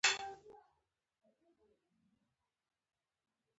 په دواړو هنرونو کې یې اوچت استعداد درلود.